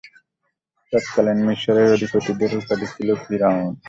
তৎকালীন মিসরের অধিপতিদের উপাধি ছিল ফিরআউন।